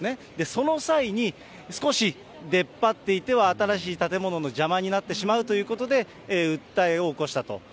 その際に、少し出っ張っていては、新しい建物の邪魔になってしまうということで、訴えを起こしたと。